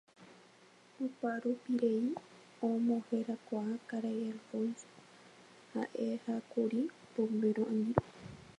Oparupirei omoherakuã Karai Alfonso ha'ehákuri Pombéro angirũ.